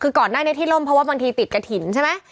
คือก่อนหน้านี้ที่ล่มเพราะว่าบางทีติดกระถิ่นใช่ไหม